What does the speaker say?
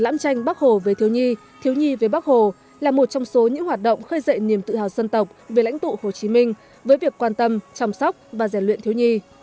một trong số những hoạt động khơi dậy niềm tự hào dân tộc về lãnh tụ hồ chí minh với việc quan tâm chăm sóc và giải luyện thiếu nhi